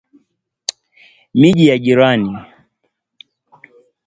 miji ya jirani